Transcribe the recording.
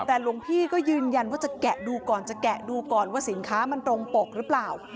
แต่หลวงพี่ก็ยืนยันว่าจะแกะดูก่อนจะแกะดูก่อนว่าสินค้ามันตรงปกหรือเปล่า